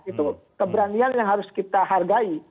itu keberanian yang harus kita hargai